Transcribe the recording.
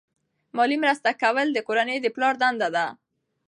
مالی مرسته کول د کورنۍ د پلار دنده ده.